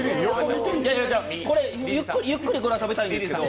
これゆっくり食べたいんですけど。